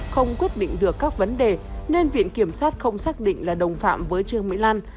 không quyết định được các vấn đề nên viện kiểm sát không xác định là đồng phạm với trương mỹ lan